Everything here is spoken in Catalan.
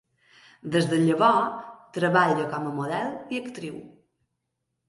Des de llavors, treballa com a model i actriu.